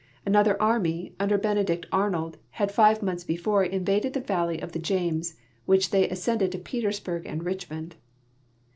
Another army, under Bene dict Arnold, had five months before invaded the valley of the James, which they ascended to Petersburg and Richmond.